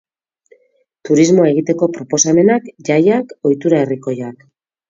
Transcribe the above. Turismoa egiteko proposamenak, jaiak, ohitura herrikoiak.